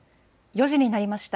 ４時になりました。